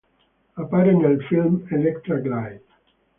Appare nel film "Electra Glide".